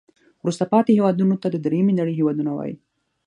وروسته پاتې هیوادونو ته د دریمې نړۍ هېوادونه وایي.